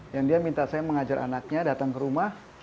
yang dia minta saya mengajar anaknya datang ke rumah